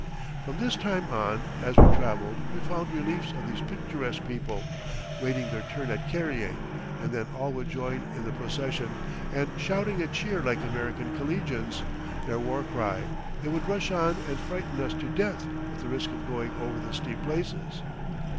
From this time on, as we traveled, we found reliefs of these picturesque people, waiting their turn at carrying, and then all would join in the procession, and shouting a cheer like American collegians, their war cry, they would rush on and frighten us to death with the risk of going over the steep places.